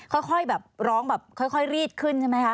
ค่อยแบบร้องแบบค่อยรีดขึ้นใช่ไหมคะ